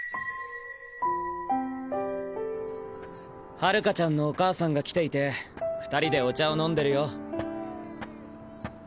春夏ちゃんのお母さんが来ていて２人でお茶を飲んでるよ。